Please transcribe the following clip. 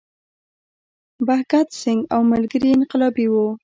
بهګت سینګ او ملګري یې انقلابي وو.